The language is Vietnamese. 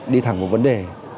đi thẳng một vấn đề